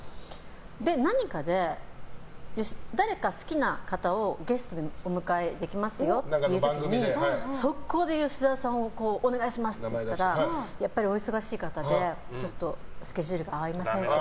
何かで誰か好きな方をゲストでお迎えできますよっていう時にそこで吉沢さんをお願いしますって言ったらやっぱりお忙しい方でスケジュールが合いませんと。